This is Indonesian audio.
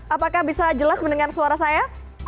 apakah bisa jelas mendengar suara saya